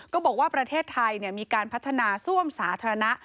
ก็บอกว่าประเทศไทยมีการพัฒนาซ่วมสาธารณะ